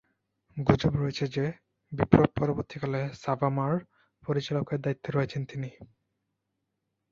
গুজব রয়েছে যে, বিপ্লব পরবর্তীকালে সাভামা’র পরিচালকের দায়িত্বে রয়েছেন তিনি।